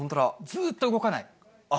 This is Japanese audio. ずっと動かない。